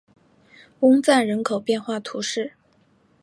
翁赞人口变化图示